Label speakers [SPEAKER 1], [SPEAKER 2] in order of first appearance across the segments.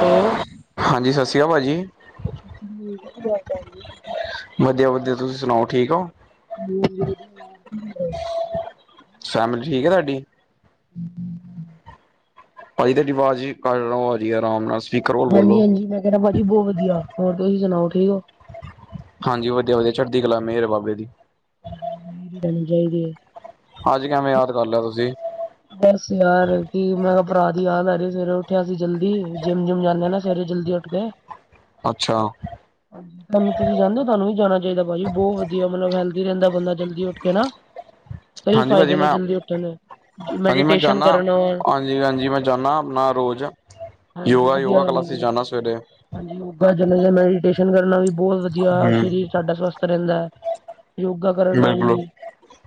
[SPEAKER 1] ਦੋ
[SPEAKER 2] ਹਾਂਜੀ ਸਾਸ ਸ਼੍ਰੀ ਕਾ ਪਾਜੀ।
[SPEAKER 1] [unintelligible] ਚੱਲਦੀ
[SPEAKER 2] ਵਧੀਆ-ਵਧੀਆ ਤੁਸੀਂ ਸੁਣਾਓ ਠੀਕ ਓ। ਫੈਮਲੀ ਠੀਕ ਏ ਤੁਆਡੀ।
[SPEAKER 1] ਹਮ ਹਮਮ
[SPEAKER 2] ਪਾਜੀ ਤੁਆਡੀ ਆਵਾਜ਼ ਜੀ ਕੱਲ ਨੌ ਵੱਜ ਗਏ ਆਰਾਮ ਨਾਲ ਸਪੀਕਰ ਕੋਲ ਬੋਲੋ
[SPEAKER 1] ਹਾਂਜੀ-ਹਾਂਜੀ ਮੈਂ ਕੈ ਰਿਆ ਪਾਜੀ ਬੋਤ ਵਧੀਆ ਹੋਰ ਤੁਸੀਂ ਸੁਣਾਓ ਠੀਕ ਓ।
[SPEAKER 2] ਹਾਂਜੀ ਵਧੀਆ-ਵਧੀਆ ਚੜ੍ਹਦੀ ਕਲਾ ਮੇਰ ਬਾਬੇ ਦੀ।
[SPEAKER 1] ਤੈਨੂੰ ਚਾਈਦੀ ਏ।
[SPEAKER 2] ਅੱਜ ਕਿਵੇਂ ਯਾਦ ਕਰ ਲਿਆ ਤੁਸੀਂ?
[SPEAKER 1] ਦੱਸ ਯਾਰ ਕੀ ਮੈਂ ਪਰਾ ਦੀ ਯਾਦ ਆ ਰਹੀ ਸਵੇਰੇ ਉੱਠਿਆ ਸੀਂ ਜਲਦੀ ਜਿੰਮ-ਜੁਮ ਜਾਂਦੇ ਆ ਨਾ ਸਵੇਰੇ ਜਲਦੀ ਓਠ ਗਏ।
[SPEAKER 2] ਅੱਛਾ।
[SPEAKER 1] ਹਾਂਜੀ ਤੁਾਨੂੰ ਤੁਸੀਂ ਜਾਂਦੇ ਓ ਤੁਆਨੂੰ ਵੀ ਜਾਣਾ ਚਾਈਦਾ ਪਾਜੀ ਬੋਤ ਵਧੀਆ ਮਤਲਬ ਹੈਲਥ ਰੇਂਦਾ ਬੰਦਾ ਜਲਦੀ ਉੱਠ ਕੇ ਨਾ ਕਈ
[SPEAKER 2] ਹਾਂਜੀ ਭਾਜੀ
[SPEAKER 1] ਫਾਇਦੇ ਨੇ
[SPEAKER 2] ਮੈਂ
[SPEAKER 1] ਜਲਦੀ ਉੱਠਣ
[SPEAKER 2] ਹਾਂਜੀ ਮੈਂ
[SPEAKER 1] ਮੈਡੀਟੇਸ਼ਨ
[SPEAKER 2] ਜਾਣਾ,
[SPEAKER 1] ਕਰਨਾ
[SPEAKER 2] ਹਾਂਜੀ-ਹਾਂਜੀ ਮੈਂ ਜਾਣਾ ਆਪਣਾ ਰੋਜ਼।
[SPEAKER 1] ਹਾਂਜੀ ਵਧੀਆ
[SPEAKER 2] ਯੋਗਾ-ਯੋਗਾ
[SPEAKER 1] ਗੱਲ
[SPEAKER 2] ਕਲਾਸਿਸ
[SPEAKER 1] ਹੈ।
[SPEAKER 2] ਜਾਣਾ ਸਵੇਰੇ
[SPEAKER 1] ਹਾਂਜੀ ਯੋਗਾ ਚਲੇ ਜਾਨਾ ਜੀ ਮੈਡੀਟੇਸ਼ਨ ਕਰਨਾ ਵੀ ਬੋਤ ਵਧੀਆ
[SPEAKER 2] ਹਮ
[SPEAKER 1] ਸਰੀਰ ਸਾਡਾ ਸਵਸਥ ਰੇਂਦਾ ਐ, ਯੋਗਾ ਕਰਨ ਨਾਲ ਵੀ
[SPEAKER 2] ਬਿਲਕੁਲ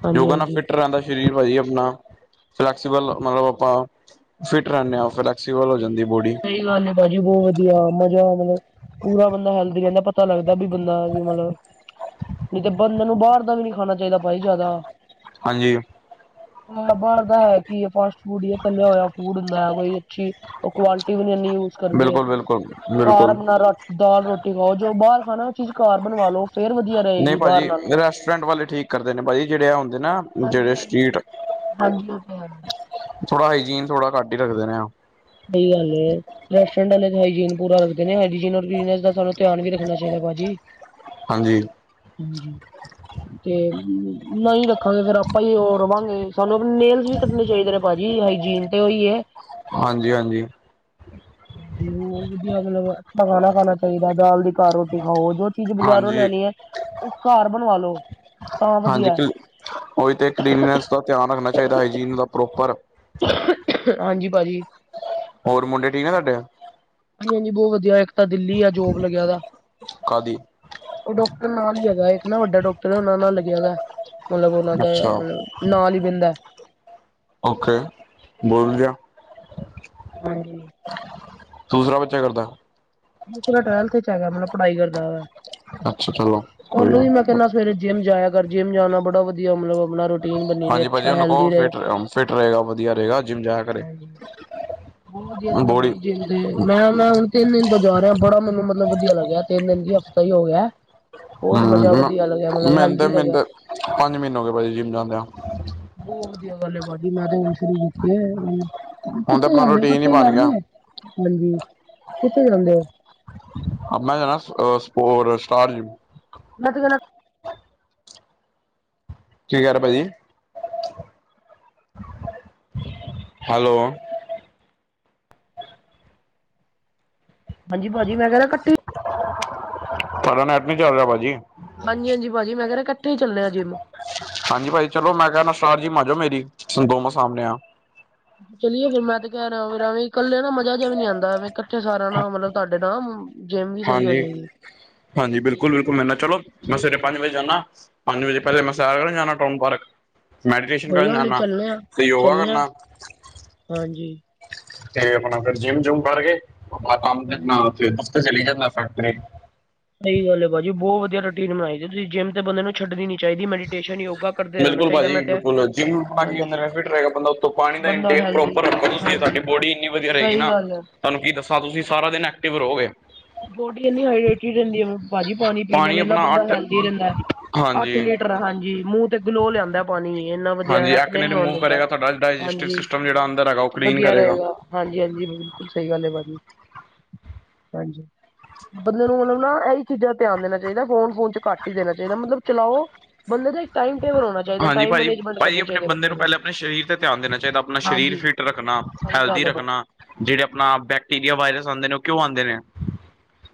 [SPEAKER 1] ਹਾਂਜੀ
[SPEAKER 2] ਯੋਗਾ ਨਾਲ
[SPEAKER 1] ਹਾਂਜੀ
[SPEAKER 2] ਫਿੱਟ ਰੇਂਦਾ ਸ ਸਰੀਰ ਪਾਜੀ ਅਪਣਾ ਫਲੈਕਸੀਬਲ ਮਤਲਬ ਆਪਾਂ ਫਿਟ ਰੇਂਣੇ ਆ।
[SPEAKER 1] ਸਈ ਗੱਲ ਐ ਪਾਜੀ ਬੋਤ ਵਧੀਆ ਮਜ਼ਾ ਮਤਲਬ ਪੂਰਾ ਬੰਦਾ ਹੈਲਦੀ ਰੈਂਦਾ ਪਤਾ ਲੱਗਦਾ ਵੀ ਬੰਦਾ ਕਿ ਮਤਲਬ ਨੀ ਤੇ ਬੰਦੇ ਨੂੰ ਬਾਰ ਦਾ ਵੀ ਨੀ ਖਾਣਾ ਚਾਈਦਾ ਪਾਈ ਜਾਂਦਾ।
[SPEAKER 2] ਹਾਂਜੀ।
[SPEAKER 1] ਬਣਦਾ ਐ ਕੀ ਫਾਸਟ ਫੂਡ‌ ਤਲਿਆ ਹੋਇਆ ਫੂਡ ਹੁੰਦਾ ਕੋਈ। ਅੱਛੀ ਓ ਕੁਆਲਿਟੀ ਵੀ ਨ ਏਨੀ ਯੂਜ ਕਰਦੇ
[SPEAKER 2] ਬਿਲਕੁਲ ਬਿਲਕੁਲ
[SPEAKER 1] ਕਾਰ
[SPEAKER 2] ਬਿਲਕੁਲ
[SPEAKER 1] ਆਪਣਾ ਦਾਲ ਰੋਟੀ ਖਾਓ ਜੋ ਬਾਰ ਖਾਣਾ ਓ ਚੀਜ਼ ਘਰ ਬਣਵਾ ਲੋ। ਫੇਰ ਵਧੀਆ
[SPEAKER 2] ਨਈ
[SPEAKER 1] ਰਹੇਗੀ ਬਾਹਰ
[SPEAKER 2] ਪਾਜੀ
[SPEAKER 1] ਨਾਲੋਂ
[SPEAKER 2] ਰੈਸਟੋਰੈਂਟ ਵਾਲੇ ਠੀਕ ਕਰਦੇ ਨੇ ਪਾਜੀ ਜੇੜੇ ਆ ਹੁੰਦੇ ਨਾ ਜਿਹੜੇ
[SPEAKER 1] ਹਾਂਜੀ-ਹਾਂਜੀ,
[SPEAKER 2] ਸਟਰੀਟ
[SPEAKER 1] ਹਾਂਜੀ ਓ ਤੇ ਹੈ।
[SPEAKER 2] ਥੋੜਾ ਹਾਈਜੀਨ ਥੋੜਾ ਘੱਟ ਈ ਰੱਖਦੇ ਨੇ ਆ।
[SPEAKER 1] ਸਈ ਗੱਲ ਏ। ਰੈਸਟੋਰੈਂਟ ਵਾਲੇ ਹਾਈਜੀਨ ਪੂਰਾ ਰੱਖਦੇ ਨੇ ਹਜੀਨ ਔਰ ਬਿਜ਼ਨਸ ਦਾ ਸਾਨੂੰ ਤਯਾਨ ਵੀ ਰਖਣਾ ਚਾਈਦਾ ਪਾਜੀ।
[SPEAKER 2] ਹਾਂਜੀ।
[SPEAKER 1] ਹਾਂਜੀ। ਤੇ ਨਈ ਰੱਖਾਂਗੇ ਫੇਰ ਆਪਾਂ ਹੀ ਓ ਰਵਾਂਗੇ ਸਾਨੂੰ ਆਪਣੇ ਨੇਲਸ ਵੀ ਕੱਟਨੇ ਚਾਈਦੇ ਨੇ ਪਾਜੀ ਹਾਈਜੀਨ ਤੇ ਓਈ ਏ।
[SPEAKER 2] ਹਾਂਜੀ-ਹਾਂਜੀ।
[SPEAKER 1] ਹੋਰ ਵਧੀਆ ਮਤਲਬ ਅੱਛਾ ਖਾਣਾ ਖਾਣਾ ਚਾਈਦਾ ਦਾਲ ਦੀ ਘਰ ਰੋਟੀ ਖਾਓ ਜੋ ਚੀਜ਼ ਬਜ਼ਾਰੋਂ
[SPEAKER 2] ਹਾਂਜੀ
[SPEAKER 1] ਲੈਣੀ ਏ, ਓ ਕਾਰ ਬਣਵਾ ਲੋ। ਤਾਂ
[SPEAKER 2] ਹਾਂਜੀ
[SPEAKER 1] ਵਧੀਆ
[SPEAKER 2] ਕਲੀ ਓਈ ਤੇ ਕਲੀਨਨੈਸ ਦਾ ਧਿਆਨ ਰੱਖਣਾ ਚਾਈਦਾ ਹਾਈਜੀਨ ਦਾ ਪ੍ਰੋਪਰ
[SPEAKER 1] ਹਾਂਜੀ ਭਾਜੀ।
[SPEAKER 2] ਹੋਰ ਮੁੰਡੇ ਠੀਕ ਆ ਤੁਹਾਡੇ
[SPEAKER 1] ਹਾਂਜੀ-ਹਾਂਜੀ ਬੋਤ ਵਧੀਆ ਇੱਕ ਤਾਂ ਦਿੱਲੀ ਆ ਜੋਬ ਲੱਗਿਆਂ ਦਾ।
[SPEAKER 2] ਕਾਦੀ
[SPEAKER 1] ਓ ਡਾਕਟਰ ਨਾਲ ਹੀ ਹੈਗਾ ਇੱਕ ਨਾ ਵੱਡਾ ਡਾਕਟਰ ਹੈ ਉਨਾ ਨਾਲ ਲੱਗਿਆਂ ਦਾ। ਮਤਲਬ ਉਨਾਂ ਦਾ
[SPEAKER 2] ਅੱਛਾ
[SPEAKER 1] ਮਤਲਬ ਨਾਲ ਈ ਬੈਂਦਾ।
[SPEAKER 2] ਓਕੇ ਬੋਲ ਗਿਆ।
[SPEAKER 1] ਹਾਂਜੀ
[SPEAKER 2] ਦੂਸਰਾ ਬੱਚਾ ਕੀ ਕਰਦਾ।
[SPEAKER 1] ਦੂਸਰਾਂ ਟਵੈਲਥ 'ਚ ਹੈਗਾ ਮਤਲਬ ਪੜ੍ਹਾਈ ਕਰਦਾ ਵੇ।
[SPEAKER 2] ਅੱਛਾ ਚਲੋ ਕੋਈ
[SPEAKER 1] ਉਨੂੰ
[SPEAKER 2] ਨੀ
[SPEAKER 1] ਵੀ ਮੈਂ ਕੈਂਦਾ ਸਵੇਰੇ ਜਿੰਮ ਜਾਇਆ ਕਰ ਜਿੰਮ ਜਾਣਾ ਬੜਾ ਵਧੀਆ ਮਤਲਬ ਆਪਣਾ ਰੋ
[SPEAKER 2] ਹਾਂਜੀ ਪਾਜੀ ਉਨੂੰ ਕੋ ਫ ਫਿਟ ਰਏਗਾ ਵਧੀਆ ਰਏਗਾ ਜਿੰਮ ਜਾਇਆ ਕਰੇ।
[SPEAKER 1] ਬੋਤ ਵਧੀਆ ਰੈਂਦਾ
[SPEAKER 2] ਬੋਡੀ
[SPEAKER 1] ਪਾਜੀ ਜਿਮ ਤੇ ਮੈਂ ਉਨਾਂ ਤਿੰਨ ਦਿਨ ਦਾ ਜਾ ਰਿਆ ਬੜਾ ਮੈਨੂੰ ਮਤਲਬ ਵਧੀਆ ਲੱਗਿਆ ਤਿੰਨ ਦਿਨ ਕੀ ਹਫ਼ਤਾ ਹੀ ਹੋ ਗਿਆ। ਬਹੁਤ
[SPEAKER 2] ਹੂੰ
[SPEAKER 1] ਮਜ਼ਾ
[SPEAKER 2] ਨਾ
[SPEAKER 1] ਵਧੀਆ ਲੱਗਿਆ ਮਤਲਬ
[SPEAKER 2] ਮਿੰ ਤੇ-
[SPEAKER 1] ਹੈਲਦੀ
[SPEAKER 2] ਮਿੰ
[SPEAKER 1] ਲੱਗਿਆ।
[SPEAKER 2] ਤੇ ਪੰਜ ਮ੍ਹੀਨੇ ਹੋ ਗਏ ਪਾਜੀ ਜਿੰਮ ਜਾਂਦਿਆਂ।
[SPEAKER 1] ਬੋਹ ਵਧੀਆ ਗੱਲ ਪਾਜੀ ਮੈਂ ਹੋਣ ਸ਼ੁਰੂ ਕੀਤੇ।
[SPEAKER 2] ਹੁਣ ਤਾਂ
[SPEAKER 1] ਕਿੱਥੇ
[SPEAKER 2] ਆਪਣਾ
[SPEAKER 1] ਜਾਂਦੇ ਹੋ
[SPEAKER 2] ਰੂਟੀਨ ਹੀ
[SPEAKER 1] ਕੱਠੇ
[SPEAKER 2] ਬਣ
[SPEAKER 1] ਕਰਨੀ
[SPEAKER 2] ਗਿਆ
[SPEAKER 1] ਏ ਹਾਂਜੀ ਕਿੱਥੇ ਜਾਂਦੇ ਹੋ।
[SPEAKER 2] ਮੈਂ ਜਾਨਾ ਸਪੋਰਟ ਸਟਾਰ 'ਚ
[SPEAKER 1] ਮੈ ਤੇ ਜਾਨਾ।
[SPEAKER 2] ਛੇ ਹਜਾਰ ਆ ਪਾਜੀ। ਹੈਲੋ
[SPEAKER 1] ਹਾਂਜੀ ਪਾਜੀ ਮੈਂ ਕੈ ਰਿਆ ਕੱਠੇ
[SPEAKER 2] ਤੁਡਾ ਨੈਟ ਨਈ ਚੱਲ ਰਿਆ ਭਾਜੀ।
[SPEAKER 1] ਹਾਂਜੀ-ਹਾਂਜੀ ਪਾਜੀ ਮੈਂ ਕੈ ਰਿਆ ਕੱਠੇ ਚੱਲਣੇ ਜਿਮ
[SPEAKER 2] ਹਾਂਜੀ ਭਾਜੀ ਚਲੋ ਮੈਂ ਕਿਆ ਨਸ਼ਾਰ ਜੀ ਮਾਜੋ ਮੇਰੀ ਦੋਨੋ ਸਾਮਣੇ ਆਂ।
[SPEAKER 1] ਚਲੀਏ ਫੇਰ ਮੈਂ ਤੇ ਕੈ ਰਿਆ ਵੀੇਰਾ ਵੀ ਕੱਲੇ ਨਾ ਮਜਾ ਜਿਹਾ ਵੀ ਨੀ ਆਂਦਾ ਕੱਠੇ ਸਾਰਿਆਂ ਨਾਲ ਮਤਲਬ ਤੁਹਾਡੇ ਨਾਲ ਜਿੰਮ ਵੀ ਸਈ ਹੋ
[SPEAKER 2] ਹਾਂਜੀ
[SPEAKER 1] ਜਾਏਗੀ।
[SPEAKER 2] ਹਾਂਜੀ ਬਿਲਕੁਲ-ਬਿਲਕੁਲ ਮੈਂ ਕਿਆ ਨਾ ਚਲੋ ਮੈਂ ਸਵੇਰੇ ਪੰਜ ਵਜੇ ਜਾਂਨਾ। ਪੰਜ ਵਜੇ ਪੈਲੇ ਮੈਂ ਸੈਰ ਕਰਨ ਜਾਣਾ ਟਊਨ ਪਾਰਕ ਮੈ ਡੀਟੇਸ਼ਨ
[SPEAKER 1] ਕੋਈ ਗੱਲ
[SPEAKER 2] ਕਰਨ
[SPEAKER 1] ਨੀ
[SPEAKER 2] ਨਾ
[SPEAKER 1] ਚੱਲਣੇ ਆ
[SPEAKER 2] ਤੇ ਯੋਗਾ
[SPEAKER 1] ਚੱਲਣੇ ਆ
[SPEAKER 2] ਕਰਨਾ।
[SPEAKER 1] ਹਾਂਜੀ
[SPEAKER 2] ਤੇ ਆਪਣਾ ਫਿਰ ਜਿੰਮ ਜੁਮ ਕਰਕੇ ਆਪਣਾ ਕੰਮ
[SPEAKER 1] ਹਾਂਜੀ।
[SPEAKER 2] ਆਪਣਾ ਉਥੇ ਦਫ਼ ਚਲੀ ਜਾਂਦਾ ਫੈਕਟਰੀ
[SPEAKER 1] ਸਈ ਗੱਲ ਏ ਭਾਜੀ ਬੋਤ ਵਧੀਆ ਰੂਟੀਨ ਬਣਾਈ ਜੇ ਤੁਸੀਂ ਜਿੰਮ ਤੇ ਬੰਦੇ ਨੂੰ ਛਡਣੀ ਨੀ ਚਾਈਦੀ ਮੈਡੀੇਸ਼ਨ ਏ ਓ।
[SPEAKER 2] ਬਿਲਕੁਲ ਭਾਜੀ ਬਿਲਕੁਲ ਜਿੰਮ ਆ ਕੇ
[SPEAKER 1] ਹਾਂਜੀ
[SPEAKER 2] ਅੰਦਰ ਫਿਟ ਰਏਗਾ ਬੰਦਾ ਉੱਪਰ ਪਾਣੀ ਦਾ
[SPEAKER 1] ਬੰਦਾ
[SPEAKER 2] ਇਨਟੇਕ
[SPEAKER 1] ਹੈਲਦੀ
[SPEAKER 2] ਪ੍ਰੋਪਰ ਰਖੇ ਸਾਡੀ
[SPEAKER 1] ਹਾਂਜੀ
[SPEAKER 2] ਬੋਡੀ ਇੰਨੀ ਵਧੀਆ ਰਏਗੀ
[SPEAKER 1] ਸਹੀ
[SPEAKER 2] ਨਾ
[SPEAKER 1] ਗੱਲ ਹੈ।
[SPEAKER 2] ਤੁਹਾਨੂੰ ਕੀ ਦੱਸਾਂ ਤੁਸੀਂ ਸਾਰਾ ਦਿਨ ਐਕਟਿਵ ਰਹੋਗੇ।
[SPEAKER 1] ਬੋਡੀ ਇੰਨੀ ਹਾਈਰੇਟਡ ਰੈਂਦੀ ਹੈ ਭਾਜੀ ਪਾਣੀ ਪੀਣ ਨਾਲ
[SPEAKER 2] ਆਪਣਾ
[SPEAKER 1] ਬੰਦਾ
[SPEAKER 2] ਅੱਠ
[SPEAKER 1] ਹੈਲਦੀ ਰੈਂਦਾ। ਅੱਠ
[SPEAKER 2] ਹਾਂਜੀ
[SPEAKER 1] ਲੀਟਰ ਹਾਂਜੀ ਮੂੰਹ ਤੇ ਗਲੋ ਲਿਆਂਦਾ। ਪਾਣੀ ਇੰਨਾ ਵਧੀਆ
[SPEAKER 2] ਹਾਂਜੀ
[SPEAKER 1] ਏਕ
[SPEAKER 2] ਐਕ ਨੇ
[SPEAKER 1] ਦਿਨ ਆਣ
[SPEAKER 2] ਰਿਮੂਵ
[SPEAKER 1] ਦਿੰਦਾ
[SPEAKER 2] ਕਰੇਗਾ ਤੁਹਾਡਾ ਡਾਇਜੈਸਟਿਵ
[SPEAKER 1] ਹਾਂਜੀ
[SPEAKER 2] ਸਿਸਟਮ ਜਿਹੜਾ ਅੰਦਰ ਹੈਗਾ ਉਹ
[SPEAKER 1] ਤੇ
[SPEAKER 2] ਕਲੀਨ
[SPEAKER 1] ਵਧੀਆ
[SPEAKER 2] ਕਰੇਗਾ
[SPEAKER 1] ਰਏਗਾ। ਹਾਂਜੀ-ਹਾਂਜੀ ਬਿਲਕੁਲ ਸਈ ਗੱਲ ਏ ਪਾਜੀ ਹਾਂਜੀ। ਬੰਦੇ ਨੂੰ ਮਤਲਬ ਨਾ ਇਹੀ ਚੀਜ਼ਾਂ ਦਾ ਧਿਆਨ ਦੇਣਾ ਚਾਈਦਾ ਫੋਨ-ਫੋਨ 'ਚ ਘੱਟ ਦੇਣਾ ਚਾਈਦਾ ਮਤਲਬ ਚਲਾਓ। ਬੰਦੇ ਦੇ
[SPEAKER 2] ਹਾਂਜੀ ਪਾਜੀ-ਪਾਜੀ ਆਪਣੇ ਬੰਦੇ ਨੂੰ ਪੈਲਾਂ ਆਪਣੇ ਸਰੀਰ ਤੇ ਧਿਆਨ ਦੇਣਾ ਚਾਈਦਾ ਆਪਣਾ ਸਰੀਰ
[SPEAKER 1] ਹਾਂਜੀ
[SPEAKER 2] ਫਿਰ ਰੱਖਣਾ
[SPEAKER 1] ਸਹੀ
[SPEAKER 2] ਹੈਲਦੀ
[SPEAKER 1] ਗੱਲ ਹੈ
[SPEAKER 2] ਰੱਖਣਾ
[SPEAKER 1] ਭਾਜੀ
[SPEAKER 2] ਜੇੜੇ ਆਪਣਾ ਬੈਕਟੀਰੀਆ ਵਾਇਰਸ ਆਂਦੇ ਨੇ ਓ ਕਿਉ ਆਂਦੇ ਨੇ।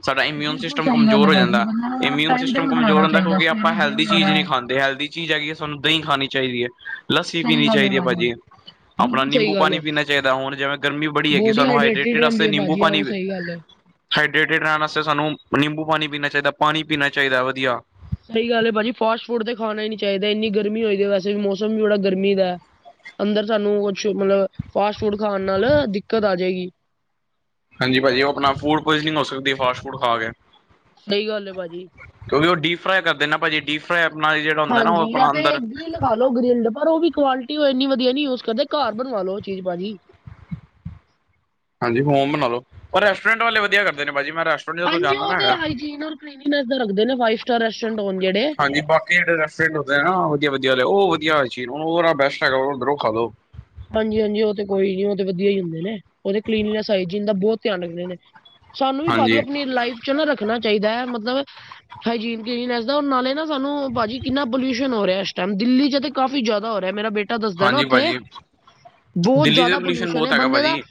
[SPEAKER 2] ਸਾਡਾ ਇਮਿਊਨ
[SPEAKER 1] ਬਿਲਕੁਲ
[SPEAKER 2] ਸਿਸਟਮ
[SPEAKER 1] ਸਹੀ ਗੱਲ
[SPEAKER 2] ਕਮਜ਼ੋਰ
[SPEAKER 1] ਹੈ
[SPEAKER 2] ਹੋ
[SPEAKER 1] ਭਾਜੀ
[SPEAKER 2] ਜਾਂਦਾ
[SPEAKER 1] ਬੰਦੇ ਨੂੰ ਮਤਲਬ
[SPEAKER 2] ਇਮਿਊਨ
[SPEAKER 1] ਟਾਈਮ
[SPEAKER 2] ਸਿਸਟਮ
[SPEAKER 1] ਟੇਬਲ
[SPEAKER 2] ਕਮਜ਼ੋਰ
[SPEAKER 1] ਬਣਾਉਣਾ
[SPEAKER 2] ਹੁੰਦਾ
[SPEAKER 1] ਚਾਹੀਦਾ
[SPEAKER 2] ਕਿਉਂਕਿ ਆਪਾਂ
[SPEAKER 1] ਸਵੇਰੇ ਜਿਮ
[SPEAKER 2] ਹੈਲਦੀ ਚੀਜ਼
[SPEAKER 1] ਜਾਣਾ
[SPEAKER 2] ਨਈ
[SPEAKER 1] ਹੈ
[SPEAKER 2] ਖਾਂਦੇ ਹੈਲਦੀ ਚੀਜ਼ ਹੈਗੀ ਹੈ ਸਾਨੂੰ ਦਈ ਖਾਣੀ ਚਾਈਦੀ ਏ ਲੱਸੀ
[SPEAKER 1] ਸਹੀ
[SPEAKER 2] ਪੀਣੀ
[SPEAKER 1] ਗੱਲ ਹੈ
[SPEAKER 2] ਚਾਈਦੀ ਏ ਭਾਜੀ। ਆਪਣਾ
[SPEAKER 1] ਬਿਲਕੁਲ ਸਹੀ
[SPEAKER 2] ਨਿੰਬੂ
[SPEAKER 1] ਗੱਲ
[SPEAKER 2] ਪਾਣੀ
[SPEAKER 1] ਹੈ
[SPEAKER 2] ਪੀਣਾ ਚਾਈਦਾ ਹੁਣ ਜਿਵੇਂ ਗਰਮੀ ਬੜੀ ਹੈਗੀ
[SPEAKER 1] ਬੋਡੀ
[SPEAKER 2] ਸਾਨੂੰ
[SPEAKER 1] ਹਾਈਡਰੇਟਿਡ
[SPEAKER 2] ਹਾਈਡ੍ਰੇਟਡ
[SPEAKER 1] ਰਹਿੰਦੀ
[SPEAKER 2] ਆਸਤੇ
[SPEAKER 1] ਹੈ
[SPEAKER 2] ਨਿੰਬੂ
[SPEAKER 1] ਭਾਜੀ ਆਹੋ
[SPEAKER 2] ਪਾਣੀ
[SPEAKER 1] ਸਹੀ ਗੱਲ ਹੈ
[SPEAKER 2] ਹਾਈਡਰੇਟਿਡ ਰੈਂਣ ਆਸਤੇ ਸਾਨੂੰ ਨਿੰਬੂ ਪਾਣੀ ਪੀਣਾ ਚਾਈਦਾ ਪਾਣੀ ਪੀਣਾ ਚਾਈਦਾ ਵਧੀਆ
[SPEAKER 1] ਸਹੀ ਗੱਲ ਹੈ ਭਾਜੀ, ਫਾਸਟ ਫੂਡ ਤੇ ਖਾਣਾ ਨਹੀ ਚਾਹੀਦਾ। ਇੰਨੀ ਗਰਮੀ ਹੋਈ ਵੈਸੇ ਵੀ, ਮੌਸਮ ਵੀ ਬੜਾ ਗਰਮੀ ਦੈ। ਅੰਦਰ ਸਾਨੂੰ ਕੁਛ, ਮਤਲਬ ਫਾਸਟ ਫੂਡ ਖਾਣ ਨਾਲ ਦਿੱਕਤ ਆ ਜਾਏਗੀ।
[SPEAKER 2] ਹਾਂਜੀ ਭਾਜੀ ਉਹ ਆਪਣਾ, ਫੂਡ ਪੋਇਸਨਿੰਗ ਹੋ ਸਕਦੀ ਫਾਸਟ ਫੂਡ ਖਾ ਕੇ।
[SPEAKER 1] ਸਹੀ ਗੱਲ ਏ, ਭਾਜੀ।
[SPEAKER 2] ਕਿਉਂਕਿ ਉਹ ਡੀਪ ਫਰਾਈ ਕਰਦੇ ਨਾ ਭਾਜੀ, ਡੀਪ ਫਰਾਈ ਆਪਣਾ ਜਿਹੜਾ ਹੁੰਦਾ ਨਾ, ਉਹ ਆਪਣਾ ਅੰਦਰ
[SPEAKER 1] ਗਿਰਲ ਖਾ ਲਓ ਗਰਿਲਡ, ਪਰ ਉਹ ਵੀ ਕੁਆਲਿਟੀ ਇੰਨੀ ਵਧੀਆ ਨੀ ਯੂਜ ਕਰਦੇ, ਘਰ ਬਣਵਾ ਲਓ ਉਹ ਚੀਜ਼, ਭਾਜੀ।
[SPEAKER 2] ਹਾਂਜੀ, ਹੋਮ ਬਣਾ ਲਓ। ਪਰ ਰੈਸੋਰੈਂਟ ਵਾਲੇ ਵਧੀਆ ਕਰ ਨੇ ਭਾਜੀ, ਮੈਂ ਰੈੰਸ
[SPEAKER 1] ਹਾਂਜੀ, ਉਹ ਤੇ ਹਾਈਜੀਨ ਔਰ ਕਰੀਮੀ ਮੈਦਾ ਰੱਖਦੇ ਨੇ, ਫਾਈਵ ਸਟਾਰ ਰਸਟੋਂਰਟ ਹੋਨ ਜਿਹੜੇ।
[SPEAKER 2] ਵਆ ਵਧਆਲੇ ਰੈਸਟੋਰੈਂਟ ਹੁੰਦੇ ਨੇ ਨਾ, ਉਹ ਵਧੀਆ ਚੀਜ, ਬਸਟ ਹੈਗਾੋ ੳ ਖਾ ਲੋ।
[SPEAKER 1] ਹਾਂਜੀ ਹਾਂਜੀ ਉਹ ਤੇ ਕੋਈ ਨੀ, ਉਹ ਤੇ ਵਧੀਆ ਹੀ ਹੁੰਦੇ ਨੇ। ਉਹ ਤੇ ਕਲੀਨੈਸ, ਆਏ ਜੀਨ ਦਾ ਬਹੁਤ ਧਿਆਨ ਰੱਖਦੇ ਨੇ। ਸਾਨੂੰ ਵੀ ਭਾਜੀ,
[SPEAKER 2] ਹਾਂਜੀ
[SPEAKER 1] ਆਪਣੀ ਲਾਈਫ 'ਚ ਨਾ ਰੱਖਣਾ ਚਾਹੀਦਾ ਹੈ। ਮਤਲਬ ਹਾਈਜੀਨ ਕਲੀਨੈਸ ਦਾ, ਨਾਲੇ ਨਾ ਸਾਨੂੰ ਭਾਜੀ ਕਿੰਨਾ ਪੋਲਿਊਸ਼ਨ ਹੋ ਰਿਹਾ, ਇਸ ਟਾਈਮ ਦਿੱਲੀ 'ਚ ਤੇ ਕਾਫੀ ਜਿਆਦਾ ਹੋ ਰਿਹਾ, ਮੇਰਾ ਬੇਟਾ ਦੱਸਦਾ ਨਾ
[SPEAKER 2] ਹਾਂਜੀ
[SPEAKER 1] ਉੱਥੇ।
[SPEAKER 2] ਭਾਜੀ
[SPEAKER 1] ਬਹੁਤ
[SPEAKER 2] ਦਿੱਲੀ ਦਾ
[SPEAKER 1] ਜ਼ਿਆਦਾ
[SPEAKER 2] ਪੋਲਿਊਸ਼ਨ
[SPEAKER 1] ਹੈ
[SPEAKER 2] ਬਹੁਤ ਹੈਗਾ
[SPEAKER 1] ਬੰਦੇ ਦਾ
[SPEAKER 2] ਭਾਜੀ,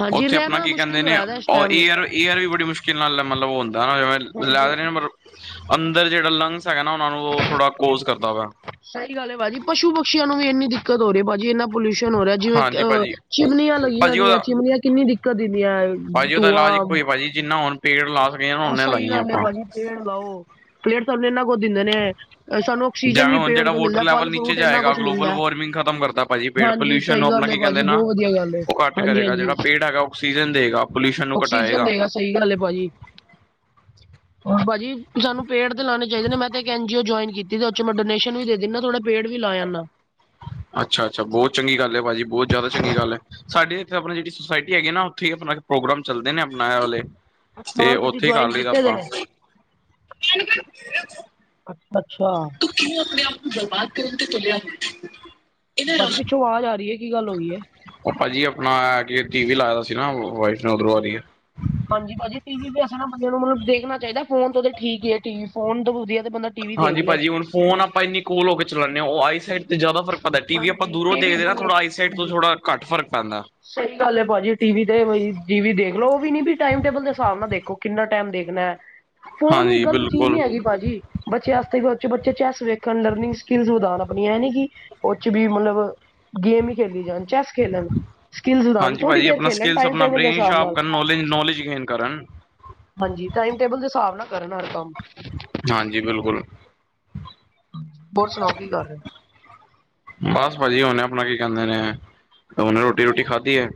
[SPEAKER 1] ਹਾਂਜੀ
[SPEAKER 2] ਉੱਥੇ ਆਪਣਾ
[SPEAKER 1] ਰਹਿਣਾ
[SPEAKER 2] ਕੀ ਕਹਿੰਦੇ
[SPEAKER 1] ਮੁਸ਼ਕਿਲ
[SPEAKER 2] ਨੇ,
[SPEAKER 1] ਹੋਇਆ ਦਾ ਇਸ
[SPEAKER 2] ਉਹ
[SPEAKER 1] ਟਾਈਮ
[SPEAKER 2] ਇਹ ਯਾਰ ਈ ਆਰ ਵੀ ਬੜੀ ਮੁਸ਼ਕਿਲ ਨਾਲ, ਮਤਲਬ ਉਹ ਹੁੰਦਾ ਨਾ ਜਿਵੇਂ
[SPEAKER 1] ਹਾਂਜੀ
[SPEAKER 2] ਲੈਦੇ ਨੇ ਅੰਦਰ ਜਿਹੜਾ ਲੰਗਸ ਹੈਗਾ ਨਾ, ਉਹਨਾਂ ਨੂੰ ਉਹ ਥੋੜਾ ਕੋਲੋਜ ਕਰਦਾ ਵਾ।
[SPEAKER 1] ਸਹੀ ਗੱਲ ਹੈ ਭਾਜੀ, ਪਸੂ ਪਕਸ਼ੀਆਂ ਨੂੰ ਵੀ ਇੰਨੀ ਦਿੱਕਤ ਹੋ ਰਹੀ ਹੈ। ਭਾਜੀ ਇੰਨਾ ਪੋਲਿਊਸ਼ਨ ਹੋ ਰਿਹਾ ਜਿਵੇ
[SPEAKER 2] ਹਾਂਜੀ ਭਾਜੀ
[SPEAKER 1] ਅ ਚਿਮਨੀਆਂ ਲੱਗੀਆਂ
[SPEAKER 2] ਭਾਜੀ
[SPEAKER 1] ਦੀਆਂ,
[SPEAKER 2] ਉਹਦਾ
[SPEAKER 1] ਚਿਮਨੀਆਂ ਕਿੰਨੀ ਦਿੱਕਤ ਦਿੰਦੀਆਂ,
[SPEAKER 2] ਭਾਜੀ ਉਹਦਾ
[SPEAKER 1] ਧੂੰਆਂ।
[SPEAKER 2] ਇਲਾਜ ਇੱਕੋ ਹੀ ਭਾਜੀ ਜਿੰਨਾ ਹੁਣ ਪੇੜ ਲਾ ਸਕੇ ਨਾ, ਉਹਨੇ ਲਾਈਏ
[SPEAKER 1] ਗੱਲ ਹੈ
[SPEAKER 2] ਆਪਾਂ
[SPEAKER 1] ਬਾਜੀ ਪੇੜ ਲਾੳ, ਪੇੜ ਸਾਨੂੰ ਇਨਾ ਕੁੱਝ ਦਿੰਦੇ ਨੇ। ਸਾਨੂੰ ਆਕਸੀਜਨ
[SPEAKER 2] ਜਵੇ
[SPEAKER 1] ਵੀ
[SPEAKER 2] ਹੁਣ
[SPEAKER 1] ਪੇੜ
[SPEAKER 2] ਜਿਹੜਾ
[SPEAKER 1] ਤੋਂ
[SPEAKER 2] ਵਾਟਰ
[SPEAKER 1] ਮਿਲਦਾ
[SPEAKER 2] ਲੈਵਲ
[SPEAKER 1] ਫਲ
[SPEAKER 2] ਨੀਚੇ
[SPEAKER 1] ਫਰੂਟ ਇੰਨਾ
[SPEAKER 2] ਜਾਏਗਾ,
[SPEAKER 1] ਕੁਝ
[SPEAKER 2] ਗਲੋਬਲ
[SPEAKER 1] ਮਿਲਦਾ
[SPEAKER 2] ਵਾਰਮਿੰਗ ਖਤਮ ਕਰਦਾ ਭਾਅਜੀ ਪੇੜ,
[SPEAKER 1] ਹਾਂਜੀ
[SPEAKER 2] ਪੋਿਲੋਊਸ਼ਨ ਨੂੰ
[SPEAKER 1] ਸਹੀ
[SPEAKER 2] ਆਪਣਾ
[SPEAKER 1] ਗੱਲ ਹੈ
[SPEAKER 2] ਕੀ ਕਹਿੰਦੇ
[SPEAKER 1] ਬਾਜੀ
[SPEAKER 2] ਨਾ,
[SPEAKER 1] ਬਹੁਤ ਵਧੀਆ ਗੱਲ ਹੈ
[SPEAKER 2] ਉਹ ਘੱਟ
[SPEAKER 1] ਹਾਂਜੀ
[SPEAKER 2] ਕਰੇਗਾ,
[SPEAKER 1] ਹਾਂਜੀ
[SPEAKER 2] ਜਿਹੜਾ ਪੇੜ ਹੈਗਾ ਆਕਸੀਜਨ ਦੇਵੇਗਾ।
[SPEAKER 1] ਆਕਸੀਜਨ ਦੇਗਾ, ਸਹੀ ਗੱਲੇ ਭਾਜੀ। ਭਾਜੀ, ਸਾਨੂੰ ਪੇੜ ਤੇ ਲਾਣੇ ਚਾਹੀਦੇ ਨੇ। ਮੈਂ ਇੱਕ ਐਨਜੀ ਔ ਜੁਆਇਨ ਕੀਤੀ, ਤੇ ਉਹ 'ਚੋਂ ਮੈਂ ਡੋਨੇਸ਼ਨ ਵੀ ਦੇ ਦਿੰਦਾ ਥੋੜੇ ਪੇੜ ਵੀ ਲਾਇਆ ਨਾ।
[SPEAKER 2] ਅੱਛਾ ਅੱਛਾ, ਬਹੁਤ ਚੰਗੀ ਗੱਲ ਹੈ ਭਾਜੀ, ਬਹੁਤ ਜ਼ਿਆਦਾ ਚੰਗੀ ਗੱਲ ਹੈ। ਸਾਡੇ ਇੱਥੇ, ਆਪਣੀ ਜਿਹੜੀ ਸੁੋਸਾਇਟੀ ਹੈਗੀ ਨਾ, ਉੱਥੇ ਹੀ ਆਪਣਾ ਪ੍ਰੋਗਰਾਮ ਚੱਲਦੇ ਨੇ, ਆਪਣਾ ਇਹ ਵਾਲੇ।
[SPEAKER 1] ਅੱਛਾ
[SPEAKER 2] ਤੇ
[SPEAKER 1] ਮਤਲਬ ਤੁਸੀਂ
[SPEAKER 2] ਉੱਥੇ ਹੀ ਕਰ
[SPEAKER 1] ਜੁਆਇਨ
[SPEAKER 2] ਲਈਦਾ
[SPEAKER 1] ਕੀਤੇ ਦੇ
[SPEAKER 2] ਆਪਾਂ।
[SPEAKER 1] ਨੇ ਅੱਛਾ, ਅੱਛਾ।
[SPEAKER 2] ਤੂੰ ਕਿਵੇਂ ਆਪਣੇ ਆਪ ਨੂੰ, ਬਰਬਾਦ ਕਰਨ ਤੇ ਤੁਲਿਆ।
[SPEAKER 1] ਬਾਜੀ ਪਿੱਛੋਂ ਆਵਾਜ਼ ਆ ਰਹੀ ਹੈ, ਕੀ ਗੱਲ ਹੋਈਏ?
[SPEAKER 2] ਾਭਾਜੀ ਆਪਣਾ, ਕੇ ਟੀ ਵੀ ਲਾਇਏ ਦਾ ਸੀ ਨਾ ੳ ਏ।
[SPEAKER 1] ਅੱਛਾ, ਅੱਛਾ। ਹਾਂਜੀ, ਭਾਜੀ ਟੀ ਵੀਸ ਨਾ ਬੰਦੇ ਨੂੰ ਮਤਲਬ ਦੇਖਣਾ ਚਾਹੀਦਾ। ਫੋਨ ਤੋਂ ਠੀਕ ਹੈ ਟੀ ਵੀ, ਫੋਨ ਤੋਂ ਵਧੀਆ ਤੇ ਬੰਦਾ ਟੀਵੀ
[SPEAKER 2] ਹਾਂਜੀ
[SPEAKER 1] ਦੇਖ ਲੇ।
[SPEAKER 2] ਭਾਜੀ, ਹੁਣ ਫੋਨ ਆਪਾਂ ਇੰਨੀ ਕੋਲ ਹੋ ਕੇ ਚਲਾਉਂਦੇ ਹਾਂ। ਉਹ ਆਈ ਸਾਈਟ ਤੇ ਜ਼ਿਆਦਾ ਫਰਕ ਪਤਾ ਟੀ ਵੀ ਆਪਾਂ
[SPEAKER 1] ਹਾਂਜੀ
[SPEAKER 2] ਦੂਰੋਂ
[SPEAKER 1] ਟੀਵੀ
[SPEAKER 2] ਦੇਖਦੇ ਨਾ,
[SPEAKER 1] ਦੂਰ
[SPEAKER 2] ਥੋੜਾ ਆਈਾਸਾਈਟ ਤੋਂ ਥੋੜਾ ਘਟ ਫਰਕ ਪੈਂਦਾ।
[SPEAKER 1] ਸਹੀ ਗੱਲ ਹੈ ਭਾਜੀ, ਟੀ ਵੀ ਤੇ ਜੀ ਵੀ ਦੇਖ ਲੋ, ਉਹ ਵੀ ਨੀ ਵੀ ਟਾਈਮ ਟੇਬਲ ਦੇ ਹਿਸਾਬ ਨਾਲ ਦੇਖੋ, ਕਿੰਨਾ ਟਾਈਮ ਦੇਖਣਾ। ਫੋਨ ਵੀ,
[SPEAKER 2] ਹਾਂਜੀ
[SPEAKER 1] ਗ਼ਲਤ ਚੀਜ਼
[SPEAKER 2] ਬਿਲਕੁਲ
[SPEAKER 1] ਨਹੀਂ ਹੈਗੀ ਭਾਜੀ। ਬੱਚਿਆਂ ਵਾਸ ਬੱਚੇ ਚੈਸ ਵੇਖਣ, ਲਰਨਿੰਗ ਸਕਿਲ ਵਧਾਉਣ ਆਪਣੀ, ਆਂ ਨੀ ਕਿ ਉਹ ਚ' ਵੀ ਮਤਲਬ ਗੇਮ ਹੀ ਖੇਲੀ ਜਾਣ, ਚੈਸ ਖੇਡਣ। ਸਕਿੱਲਸ ਵਧਾਨ,
[SPEAKER 2] ਹਾਂਜੀ
[SPEAKER 1] ਥੋੜ੍ਹੀ
[SPEAKER 2] ਭਾਜੀ
[SPEAKER 1] ਦੇਰ
[SPEAKER 2] ਆਪਣਾ
[SPEAKER 1] ਖੇਲਣ,
[SPEAKER 2] ਸਕਿੱਲਸ
[SPEAKER 1] ਟਾਈਮ
[SPEAKER 2] ਆਪਣਾ
[SPEAKER 1] ਟੇਬਲ ਦੇ
[SPEAKER 2] ਬ੍ਰੇਨ
[SPEAKER 1] ਹਿਸਾਬ
[SPEAKER 2] ਸ਼ਾਰਪ
[SPEAKER 1] ਨਾਲ।
[SPEAKER 2] ਕਰਨ ਨੌਲੇਜ ਨੌਲੇਜ ਗੇਨ ਕਰਨ
[SPEAKER 1] ਹਾਂਜੀ, ਟਾਈਮ ਟੇਬਲ ਦੇ ਹਿਸਾਬ ਨਾਲ ਕਰਨ ਹਰ ਕੰਮ।
[SPEAKER 2] ਹਾਂਜੀ, ਬਿਲਕੁਲ।
[SPEAKER 1] ਹੋਰ ਸੁਣਾਓ ਕੀ ਕਰ ਰਹੇ?
[SPEAKER 2] ਬਸ ਭਾਜੀ ਹੁਣੇ ਆਪਣਾ, ਕੀ ਕਹਿੰਦੇ ਨੇ ਆ ਹਨੇ ਰੋਟੀ-ਰੋਟੀ ਖਾਧੀ ਐ,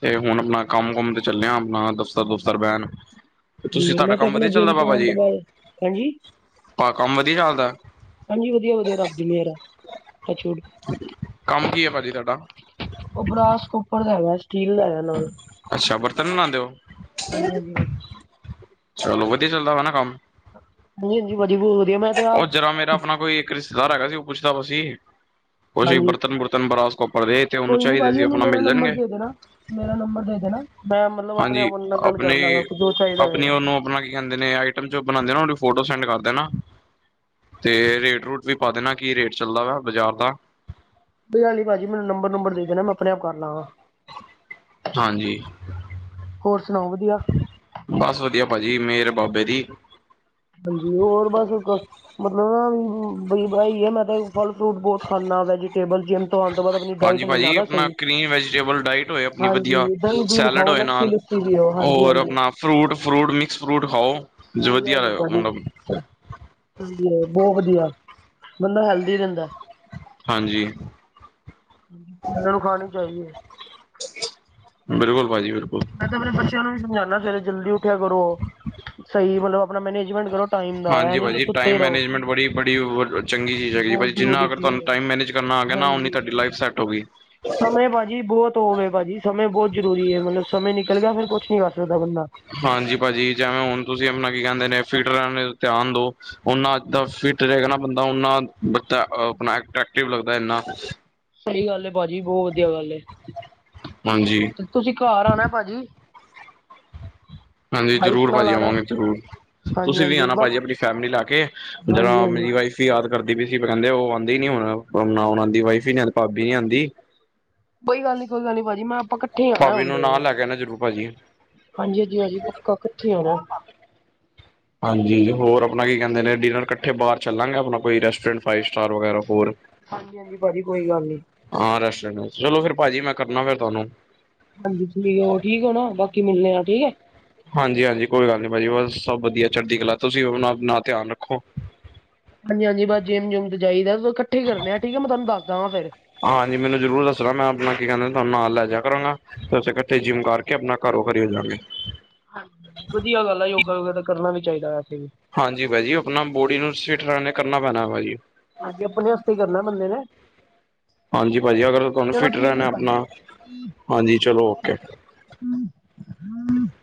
[SPEAKER 2] ਤੇ ਹੁਣ ਆਪਣਾ ਕੰਮ-ਕੁਮ ਤੇ ਚੱਲੇਆ ਆਪਣਾ ਸਗੋ ਸਰਵੈਨ, ਤੁਸੀਂ
[SPEAKER 1] ਜੀ
[SPEAKER 2] ਧਾਡਾ
[SPEAKER 1] ਮੈਂ ਤੇ
[SPEAKER 2] ਕੰਮ
[SPEAKER 1] ਆਪਣਾ
[SPEAKER 2] ਵਦੀਆ ਚੱਲਦਾ
[SPEAKER 1] ਜਿੰਮ ਤੋਂ
[SPEAKER 2] ਬਾਬਾ
[SPEAKER 1] ਆਉਣ ਤੋਂ
[SPEAKER 2] ਜੀ?
[SPEAKER 1] ਬਾਅਦ ਹਾਂਜੀ
[SPEAKER 2] ਭਾ ਕੰਮ ਵਦੀਆ ਚੱਲਦਾ ਐ?
[SPEAKER 1] ਹਾਂਜੀ ਵਦੀਆ-ਵਦੀਆ ਰੱਬ ਦੀ ਮੇਰ ਆ, ਟਚ ਵੁਡ।
[SPEAKER 2] ਕੰਮ ਕੀ ਆ ਭਾਜੀ ਧਾਡਾ?
[SPEAKER 1] ਓਬਰਾਸ ਕੋਪਰ ਦਾ ਹੈਗਾ ਸਟੀਲ ਦਾ ਹੈਗਾ ਨਾਲ।
[SPEAKER 2] ਅੱਛਾ ਬਰਤਨ ਬਨਾਦੇ ਓ?
[SPEAKER 1] ਹਾਂਜੀ ਹਾਂਜੀ
[SPEAKER 2] ਚਲੋ ਵਦੀਆ ਚੱਲਦਾ ਵਾ ਨਾ ਕੰਮ
[SPEAKER 1] ਹਾਂਜੀ ਹਾਂਜੀ ਵਧੀਆ ਬਹੁਤ ਵਧੀਆ ਮੈਂ ਤੇ
[SPEAKER 2] ਓ
[SPEAKER 1] ਆਪ
[SPEAKER 2] ਜਰਾ ਮੇਰਾ ਆਪਣਾ ਕੋਈ ਕਰੀਸਦਾਰ ਹੈਗਾ ਸੀ ਓ ਪੁੱਛਦਾ ਬ ਸੀ, ਕੁਛ
[SPEAKER 1] ਹਾਂਜੀ
[SPEAKER 2] ਬਰਤਨ-ਬੁਰਤਨ ਬਰਾਸ ਕੋਪਰ ਦੇ ਤੇ ਉਹਨੂੰ
[SPEAKER 1] ਕੋਈ ਨੀ
[SPEAKER 2] ਚਾਹੀਦੇ
[SPEAKER 1] ਭਾਜੀ
[SPEAKER 2] ਸੀ
[SPEAKER 1] ਓਨੂੰ
[SPEAKER 2] ਆਪਣਾ
[SPEAKER 1] ਮੇਰਾ
[SPEAKER 2] ਮਿਲ
[SPEAKER 1] ਨੰਬਰ
[SPEAKER 2] ਜਾਣਗੇ
[SPEAKER 1] ਦੇ ਦੇਣਾ, ਮੇਰਾ ਨੰਬਰ ਦੇ ਹਨਾ ਮੈਂ ਮਲਬ ਅਪਨੇ
[SPEAKER 2] ਹਾਂਜੀ
[SPEAKER 1] ਆਪ ਓਦੇ ਨਾਲ ਗਾਲ
[SPEAKER 2] ਆਪਣੇ
[SPEAKER 1] ਕਾਰ ਲਾਂਗਾ ਜੋ ਚਾਈਦਾ
[SPEAKER 2] ਆਪਣੀ
[SPEAKER 1] ਹੋਏਗਾ।
[SPEAKER 2] ਉਹਨੂੰ ਆਪਣਾ ਕੀ ਕੈਂਦੇ ਨੇ ਆਈਟਮ ਜੋ ਬਨਾਂਦੇ ਓ ਨਾ ਓਦੀ ਫੋਟੋ ਸੈਂਡ ਕਾਰ ਦੇਨਾ। ਤੇ ਰੇਟ-ਰੂਟ ਵੀ ਪਾ ਦੇਨਾ, ਕੀ ਰੇਟ ਚੱਲਦਾ ਵਾ ਬਾਜਾਰ ਦਾ।
[SPEAKER 1] ਕੋਈ ਗਲ ਨੀ ਭਾਜੀ ਮੈਨੂੰ ਨੰਬਰ-ਨੂੰਬਰ ਦੇ ਦੇਨਾ ਮੈਂ ਅਪਨੇ ਆਪ ਕਾਰ ਲਾਂਗਾ।
[SPEAKER 2] ਹਾਂਜੀ,
[SPEAKER 1] ਹੋਰ ਸੁਣਾਓ ਵਧੀਆ
[SPEAKER 2] ਬਸ ਵਦੀਆ ਭਾਜੀ ਮੇਰ ਆ ਬਾਬੇ ਦੀ।
[SPEAKER 1] ਹਾਂਜੀ, ਹੋਰ ਬਸ ਕ ਮਤਲਵ ਬਈ ਬਾਈ ਐ ਮੈਂ ਤੇ ਫਲ-ਫਰੂਟ ਬੋਤ ਖਾਨਾ, ਵੈਜੀਟੇਬਲ ਜਿੰਮ ਤੋਂ ਆਨ ਤੋ ਬਾਦ ਅਪਨੀ ਡਾਇਟ ਲੈਂਨਾ ਵਾ ਨਾ ਸਈ।
[SPEAKER 2] ਈਂ ਵੈਜੀਟੇਬਲ ਡਾਈਟ ਹੋਏ ਅਪ
[SPEAKER 1] ਹਾਂਜੀ, ਦਈਂ-ਦੁਈਂ ਖਾਓ, ਲੱਸੀ-ਲੁੱਸੀ ਪੀਓ
[SPEAKER 2] ਔਰ
[SPEAKER 1] ਹਾਂਜੀ-ਹਾਂਜੀ।
[SPEAKER 2] ਆਪਣਾ ਫਰੂਟ, ਫਰੂਟ, ਮਿਕਸ ਫਰੂਟ ਖਾਓ ਜ
[SPEAKER 1] ਸਹੀ
[SPEAKER 2] ਵਦੀਆ
[SPEAKER 1] ਗੱਲ ਹੈ
[SPEAKER 2] ਐ
[SPEAKER 1] ਭਾਜੀ
[SPEAKER 2] ਮਲਬ
[SPEAKER 1] ਹਾਂਜੀ, ਬੋਅ ਵਦੀਆ, ਬੰਦਾ ਹੈਲਦੀ ਰੈਂਦੈ।
[SPEAKER 2] ਹਾਂਜੀ।
[SPEAKER 1] ਬਂਦੇ ਨੂੰ ਖਾਨੀ ਚਾਈਦੀ ਏ।
[SPEAKER 2] ਬੇਲਕੁਲ ਭਾਜੀ ਬੇਲਕੁਲ।
[SPEAKER 1] ਮੈਂ ਤੇ ਅਪਣੇ ਬੱਚੇਆਂ ਨੂੰ ਵੀ ਸਮਝਾਨਾ ਸਵੇਰੇ ਜਲਦੀ ਉਠੇਆ ਕਰੋ, ਸਈ ਮਤਲਬ ਅਪਨਾ ਮੈਨੇਜਮੈਂਟ ਕਰੋ। ਟਾਈਮ ਦਾ ਇਹ
[SPEAKER 2] ਹਾਂਜੀ
[SPEAKER 1] ਨੀ ਕਿ
[SPEAKER 2] ਭਾਜੀ,
[SPEAKER 1] ਸੁੱਤੇ
[SPEAKER 2] ਟਾਈਮ
[SPEAKER 1] ਹੀ ਰਹੋ।
[SPEAKER 2] ਮੈਨੇਜਮੈਂਟ ਬੜੀ, ਬੜੀ ਓਰ ਚੰਗੀ ਚੀਜ ਹੈਗੀ ਏ
[SPEAKER 1] ਬਹੁਤ
[SPEAKER 2] ਭਾਜੀ ਜੀਨਾ
[SPEAKER 1] ਜ਼ਰੂਰੀ
[SPEAKER 2] ਅਗਰ ਤੂਆਨੂੰ
[SPEAKER 1] ਚੀਜ਼ ਹੈ
[SPEAKER 2] ਟਾਈਮ ਮੈਨੇਜ ਕਰਨਾ ਆ ਗੇਆ ਨਾ, ਓਨੀ ਧਾਡੀ ਲਾਈਫ ਸੈਟ ਹੋ ਗਈ।
[SPEAKER 1] ਸਮੇ ਭਾਜੀ ਬੋਅ ਤੋਵੇ ਭਾਜੀ ਸਮੇਂ ਬੋਤ ਜਰੂਰੀ ਏ, ਮਤਲਬ ਸਮੇਂ ਨੀਕਲ ਗੇਆ ਫੇਰ ਕੁੱਛ ਨੀ ਕਾਰ ਸਕਦਾ ਬੰਦਾ।
[SPEAKER 2] ਹਾਂਜੀ ਭਾਜੀ, ਜੈਵੇਂ ਹੁਨ ਤੂਸੀ ਅਪਣਾ ਕੀ ਕੈਂਦੇ ਨੇ ਫਿਟ ਨ ਰੈਨ ਧੇਆਨ ਦੋ ਓਨਾ ਅੱਦਾ ਫੀਟ ਰਹੇਗਾ ਨਾ ਬੰਦਾ ਓਨਾ ਬਦਾ ਅ ਅਪਨਾ ਆ ਐਟਰੈਕਟਿਵ ਲਗਦੈ ਐਨਾ।
[SPEAKER 1] ਸਈ ਗੱਲ ਏ ਭਾਜੀ ਬੋਅ ਵਦੀਆ ਗੱਲ ਏ,
[SPEAKER 2] ਹਾਂਜੀ
[SPEAKER 1] ਤੇ ਤੂਸੀ ਘਾਰ ਆਣੇ ਭਾਜੀ।
[SPEAKER 2] ਹਾਂਜੀ,
[SPEAKER 1] ਵਾਈਫ
[SPEAKER 2] ਜਰੂਰ
[SPEAKER 1] ਨਾਲ
[SPEAKER 2] ਭਾਜੀ
[SPEAKER 1] ਆਉਣਾ
[SPEAKER 2] ਆਵਾਂਗੇ ਜਰੂਰ।
[SPEAKER 1] ਹਾਂਜੀ
[SPEAKER 2] ਤੂਸੀ ਵੀ
[SPEAKER 1] ਹਾਂਜੀ
[SPEAKER 2] ਆਨਾ
[SPEAKER 1] ਬਸ
[SPEAKER 2] ਭਾਜੀ ਅਪਨੀ ਫੈਮਲੀ ਲੈ ਕੇ, ਜਰਾ
[SPEAKER 1] ਹਾਂਜੀ ਹਾਂਜੀ।
[SPEAKER 2] ਮੇਰੀ ਵਾਈ ਫੀ ਯਾਦ ਕਰਦੀ ਪੀ ਸੀ ਕੈਂਦੇ ਓ ਆਂਦੀ ਨੀ ਹੁਣ, ਨੀ ਓਨਾਂਦੀ ਵਾਈਫ ਈ ਨੀ ਆ ਭਾਬੀ ਨੀ ਆਂਦੀ।
[SPEAKER 1] ਕੋਈ ਗਾਲ ਨੀ, ਕੋਈ ਗਾਲ ਨੀ ਭਾਜੀ ਮੈਂ ਆਪਾਂ ਕ
[SPEAKER 2] ਪਾਬੀ ਨੂੰ ਨਾਲ ਲੈਕੇ ਆਨਾ ਜਰੂਰ ਭਾਜੀ।
[SPEAKER 1] ਹਾਂਜੀ, ਹਾਂਜੀ ਹਜੀ ਪੱਕਾ ਕੱਠੇ ਆਂਵਾ
[SPEAKER 2] ਹਾਂਜੀ, ਹੋਰ ਅਪਣਾ ਕੀ ਕੈਂਦੇ
[SPEAKER 1] ਹਾਂਜੀ
[SPEAKER 2] ਨੇ ਡੀਨਰ ਕੱਠੇ ਬਾਰ ਚੱਲਾਂਗੇ ਅਪਣਾ ਕੋਈ ਰੈਸਟੋਰੈਂਟ ਫਾਈਵ ਸਟਾਰ ਵਗੈਰਾ ਹੋਰ
[SPEAKER 1] ਹਾਂਜੀ ਭਾਜੀ ਕੋਈ ਗੱਲ ਨੀ।
[SPEAKER 2] ਹਾਂ ਰੈਸਟੋਰੈਂਟ, ਚਲੋ ਫੇਰ ਭਾਜੀ ਮੈਂ ਕਰਨਾ ਫੇਰ ਤੂਆਨੂੰ।
[SPEAKER 1] ਹਾਂਜੀ, ਹੋਰ ਠੀਕ ਹੋ ਨਾ, ਬਾਕੀ ਮਿਲਨੇ ਆਂ ਠੀਕ ਏ।
[SPEAKER 2] ਹਾਂਜੀ-ਹਾਂਜੀ ਕੋਈ ਗਾਲ ਨੀ ਭਾਜੀ, ਬਸ ਸਬ ਵਦੀਆ, ਚੜਦੀ ਕਲਾ ਤੂਸੀ ਅਪਨਾ ਅਪਨਾ ਧੇਆਨ ਰੱਖੋ।
[SPEAKER 1] ਹਾਂਜੀ-ਹਾਂਜੀ ਬਸ ਜਿੰਮ-ਜੁੰਮ ਤੇ ਜਾਈਦੈ, ਸੁ ਕੱਠੇ ਈ ਕਰਨੇ ਆਂ, ਠੀਕੈ ਮੈਂ ਤੂਆਨੂੰ ਦਸ ਦਾ ਵਾਂ ਫੇਰ।
[SPEAKER 2] ਹਾਂਜੀ ਮੈਨੂੰ ਜਰੂਰ ਦਸਣਾ ਮੈਂ ਅਪਣਾ ਕੀ ਕੈਂਦੇਨ ਧਾਨੂ ਨਾਲ ਲੈਜੇਆ ਕਰਾਂਗਾ। ਅਸੀ ਕੱਠੇ ਜਿਮ ਕਾਰਕੇ, ਅਪਨਾ ਘਰੋਘਰੀ ਹੋ ਜਾਂਗੇ।
[SPEAKER 1] ਵਦੀਆ ਗਾੱਲ ਐ, ਯੋਗਾ ਵੋਗੇਰਾ ਕਰਨਾ ਵੀ ਚਾਈਦਾ ਵੈਸੇ ਵੀ।
[SPEAKER 2] ਹਾਂਜੀ ਭਾਜੀ ਅਪਨਾ ਬੋਡੀ ਨੂੰ ਸਿਠ ਰੈਨ ਕਰਨੈ ਪੈਨਾ, ਭਾਜੀ।
[SPEAKER 1] ਹਾਂਜੀ, ਆਪਨੇ ਆਸਤੇ ਈ ਕਰਨੈ ਬੰਦੇ ਨੇ।
[SPEAKER 2] ਹਾਂਜੀ, ਭਾਜੀ ਅਗਰ ਤੂਆਨੂੰ
[SPEAKER 1] ਚਲੋ
[SPEAKER 2] ਫਿਟ
[SPEAKER 1] ਠੀਕ ਹੈ
[SPEAKER 2] ਰੈਨੈ
[SPEAKER 1] ਭਾਜੀ।
[SPEAKER 2] ਅਪਨਾ, ਹਾਂਜੀ ਚਲੋ ਓਕੇ।
[SPEAKER 1] [inaudible]